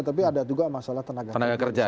tapi ada juga masalah tenaga kerja